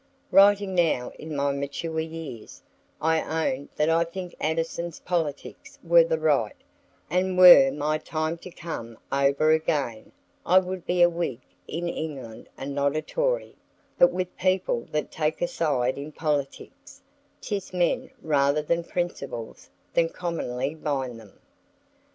Writing now in my mature years, I own that I think Addison's politics were the right, and were my time to come over again, I would be a Whig in England and not a Tory; but with people that take a side in politics, 'tis men rather than principles that commonly bind them.